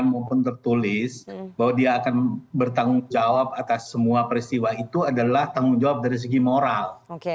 maupun tertulis bahwa dia akan bertanggung jawab atas semua peristiwa itu adalah tanggung jawab dari segi moral